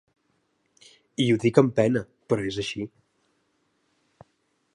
I ho dic amb pena, però és així.